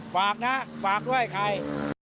ฝากนะฝากด้วยไอ้ไข่